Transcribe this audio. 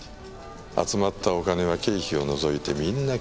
集まったお金は経費を除いてみんな寄付しちゃう。